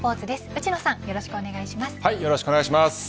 内野さんよろしくお願いします。